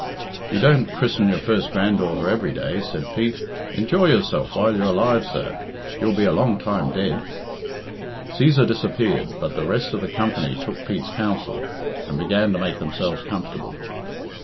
"You don't christen your first granddaughter every day," said Pete. "Enjoy yourself while you're alive, sir; you'll be a long time dead." Cæsar disappeared, but the rest of the company took Pete's counsel, and began to make themselves comfortable.